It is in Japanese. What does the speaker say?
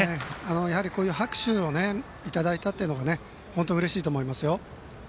やはり拍手をいただいたというのは本当にうれしいと思いますよ。